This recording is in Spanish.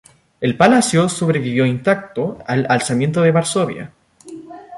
El palacio sobrevivió intacto al Alzamiento de Varsovia.